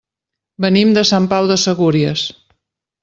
Venim de Sant Pau de Segúries.